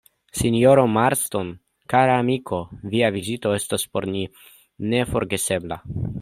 Sinjoro Marston, kara amiko, via vizito estos por ni neforgesebla.